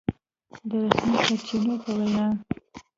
د رسمي سرچينو په وينا